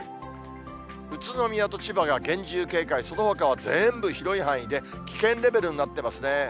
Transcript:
宇都宮と千葉が厳重警戒、そのほかは全部広い範囲で危険レベルになってますね。